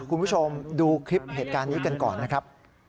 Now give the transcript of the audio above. คุณผู้ชมดูคลิปเหตุการณ์นี้กันก่อนนะครับ